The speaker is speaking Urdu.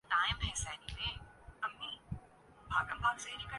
اورنعرے لگاتے ہوئے آگے بڑھنا تھا۔